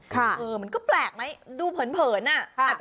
แบบนี้ต้อเหมือนแปลกเผลิญ